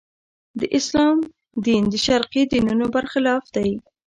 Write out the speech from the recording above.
د اسلام دین د شرقي دینونو برخلاف دی.